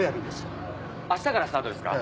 明日からスタートですか？